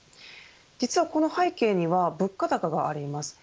実はこの背景には物価高があります。